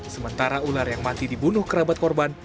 sementara ular yang mati dibunuh kerabat korban